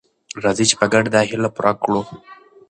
راځئ چې په ګډه دا هیله پوره کړو.